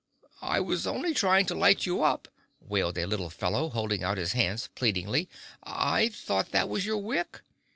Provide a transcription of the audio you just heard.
"I was only trying to light you up," wailed a little fellow, holding out his hands pleadingly. "I thought that was your wick."